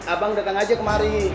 abang datang aja kemari